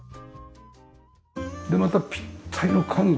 でまたぴったりの家具。